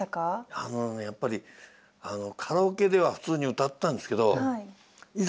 あのねやっぱりカラオケでは普通に歌ってたんですけどいざ